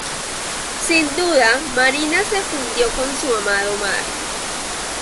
Sin duda, Marina se fundió con su amado mar.